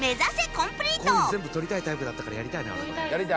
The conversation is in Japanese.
「コイン全部取りたいタイプだったからやりたいな」